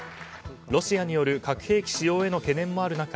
ロシアによる核兵器使用への懸念もある中